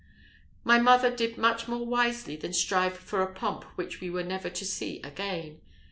My mother did much more wisely than strive for a pomp which we were never to see again.